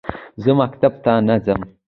زه مکتب ته نه ځم